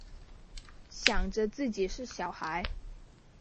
想着自己是小孩